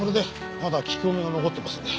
まだ聞き込みが残ってますんで。